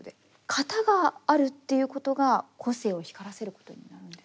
型があるということが個性を光らせることになるんですかね。